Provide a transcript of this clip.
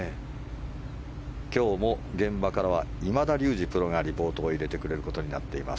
今日も現場からは今田竜二プロがリポートを入れてくれることになっています。